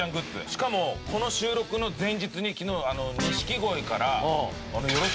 しかもこの収録の前日に昨日錦鯉から。